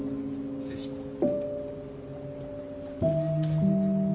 失礼します。